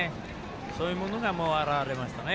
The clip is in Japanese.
そういうものが表れましたね。